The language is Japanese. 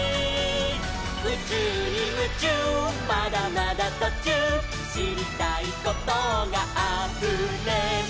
「うちゅうにムチューまだまだとちゅう」「しりたいことがあふれる」